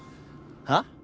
はっ？